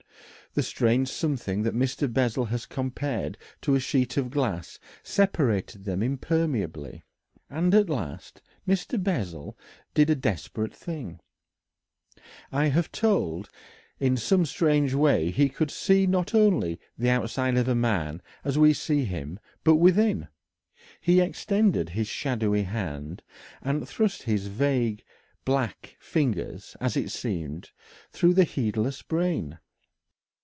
The strange something that Mr. Bessel has compared to a sheet of glass separated them impermeably. And at last Mr. Bessel did a desperate thing. I have told how that in some strange way he could see not only the outside of a man as we see him, but within. He extended his shadowy hand and thrust his vague black fingers, as it seemed, through the heedless brain.